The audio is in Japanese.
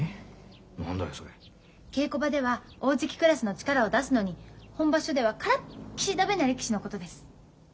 稽古場では大関クラスの力を出すのに本場所ではからっきし駄目な力士のことです。